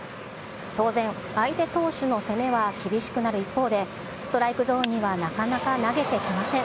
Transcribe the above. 当然、相手投手の攻めは厳しくなる一方で、ストライクゾーンにはなかなか投げてきません。